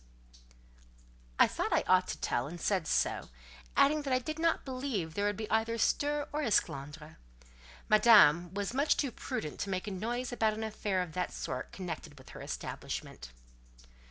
I thought I ought to tell, and said so; adding that I did not believe there would be either stir or esclandre: Madame was much too prudent to make a noise about an affair of that sort connected with her establishment.